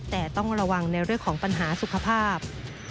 แต่ต้องระวังในเรื่องของปัญหาสุขภาพ